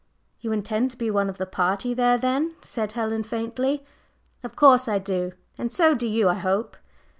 "You intend to be one of the party there then?" said Helen faintly. "Of course I do. And so do you, I hope."